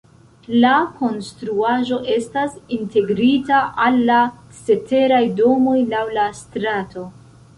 La konstruaĵo estas integrita al la ceteraj domoj laŭ la strato.